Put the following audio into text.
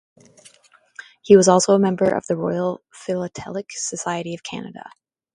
He was also a member of the Royal Philatelic Society of Canada.